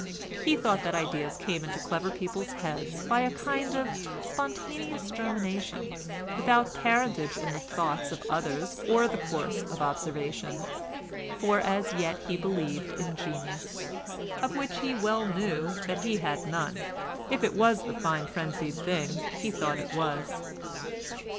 He thought that ideas came into clever people's heads by a kind of spontaneous germination, without parentage in the thoughts of others or the course of observation; for as yet he believed in genius, of which he well knew that he had none, if it was the fine frenzied thing he thought it was.